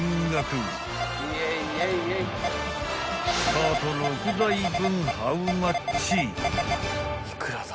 ［カート６台分ハウマッチ？］